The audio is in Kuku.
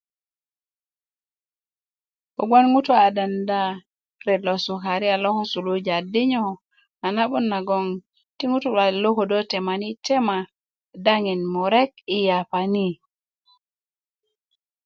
kobgoŋ ŋutu a denda ret lo sukaria lo suluja dinyo a na'but nagon ti ŋutu luwalet lo kodo temani tema daŋin murek i yapa ni